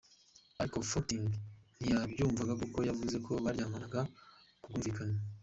Ariko Fangting ntiyabyumvaga kuko yavuze ko baryamanaga ku bwumvikane.